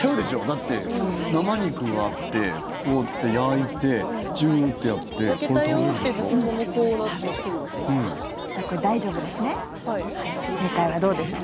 だって、生肉があってこうやって焼いてジューッてやってこれで食べるでしょ？